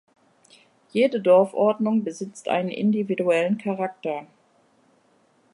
Jede Dorfordnung besitzt einen individuellen Charakter.